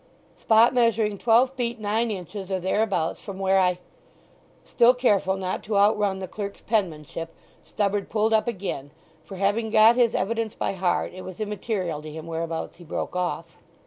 "Spot measuring twelve feet nine inches or thereabouts from where I—" Still careful not to outrun the clerk's penmanship Stubberd pulled up again; for having got his evidence by heart it was immaterial to him whereabouts he broke off.